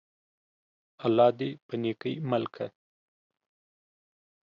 الله دي په نيکۍ مل که!